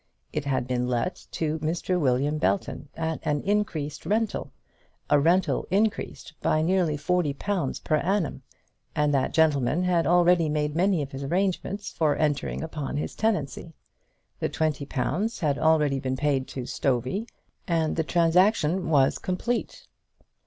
It had been let to Mr. William Belton at an increased rental, a rental increased by nearly forty pounds per annum, and that gentleman had already made many of his arrangements for entering upon his tenancy. The twenty pounds had already been paid to Stovey, and the transaction was complete.